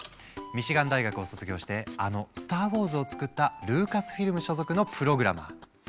ミシガン大学を卒業してあの「スター・ウォーズ」を作ったルーカスフィルム所属のプログラマー。